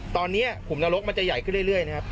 ตอนนี้ขุมนรกมันจะใหญ่ขึ้นเรื่อยนะครับ